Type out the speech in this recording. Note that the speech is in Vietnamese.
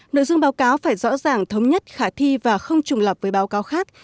nội dung báo cáo phải rõ ràng thống nhất khả thi và không trùng lập với báo cáo khác